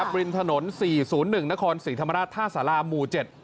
ริมถนน๔๐๑นครศรีธรรมราชท่าสาราหมู่๗